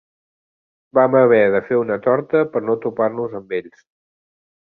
Vam haver de fer una torta per no topar-nos amb ells.